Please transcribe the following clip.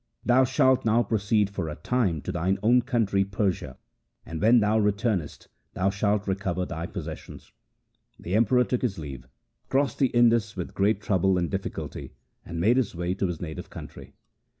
Thou shalt now pro ceed for a time to thine own country Persia, and when thou returnest thou shalt recover thy possessions.' The Emperor took his leave, crossed the Indus with great trouble and difficulty, and made his way to his native country.